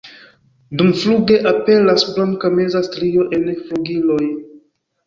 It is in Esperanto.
Dumfluge aperas blanka meza strio en flugiloj.